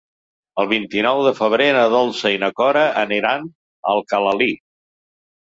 El vint-i-nou de febrer na Dolça i na Cora aniran a Alcalalí.